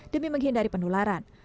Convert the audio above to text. demi menghindari penyakit